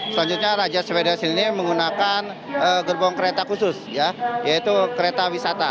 selanjutnya raja sweden sini menggunakan gerbong kereta khusus yaitu kereta wisata